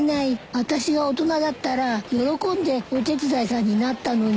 あたしが大人だったら喜んでお手伝いさんになったのに。